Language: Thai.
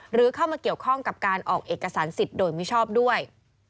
หรือเข้ามาเกี่ยวข้องกับการออกเอกสารสิทธิ์โดยมิชอบด้วย